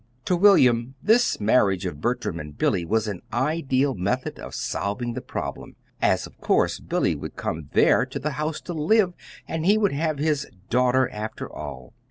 To William this marriage of Bertram and Billy was an ideal method of solving the problem, as of course Billy would come there to the house to live, and he would have his "daughter" after all.